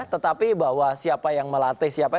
tetapi bahwa siapa yang melatih siapa